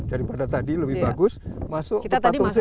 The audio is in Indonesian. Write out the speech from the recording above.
daripada tadi lebih bagus masuk ke patung seri